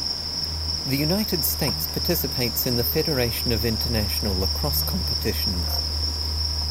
The United States participates in the Federation of International Lacrosse competitions.